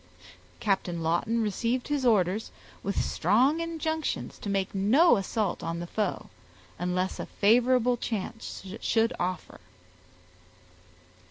Captain Lawton received his orders with strong injunctions to make no assault on the foe, unless a favorable chance should offer.